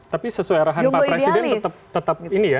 tapi sesuai arahan pak presiden tetap ini ya